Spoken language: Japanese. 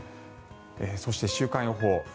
そして、週間予報。